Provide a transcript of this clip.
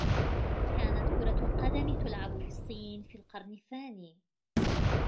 كانت كرة القدم تُلعَبُ في الصين في القرن الثاني.